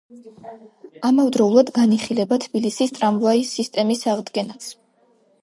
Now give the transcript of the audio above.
ამავდროულად განიხილება თბილისის ტრამვაის სისტემის აღდგენაც.